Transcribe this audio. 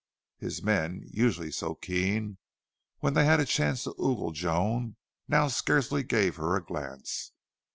His men, usually so keen when they had a chance to ogle Joan, now scarcely gave her a glance.